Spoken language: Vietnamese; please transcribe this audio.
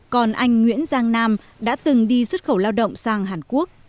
còn anh nguyễn giang nam đã từng đi xuất khẩu lao động sang hàn quốc